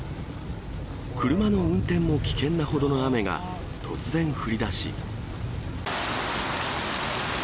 車の運転も危険なほどの雨が突然降りだし。